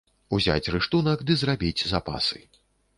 Узяць рыштунак, ды зрабіць запасы.